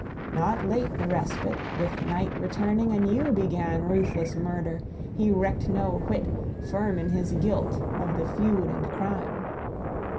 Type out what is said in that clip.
Not late the respite; with night returning, anew began ruthless murder; he recked no whit, firm in his guilt, of the feud and crime.